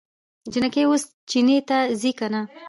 جينکۍ اوس چينې ته ځي که نه؟